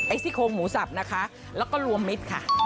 ซี่โครงหมูสับนะคะแล้วก็รวมมิตรค่ะ